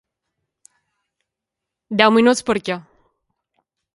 Deu minuts per a què?